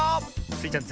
スイちゃん